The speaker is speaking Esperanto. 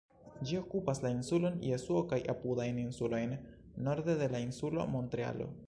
Ĝi okupas la insulon Jesuo kaj apudajn insulojn, norde de la insulo Montrealo.